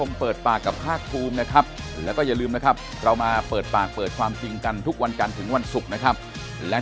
มีทำอะไรแบบเนี้ยมีเคยเห็นมั้ยฮะ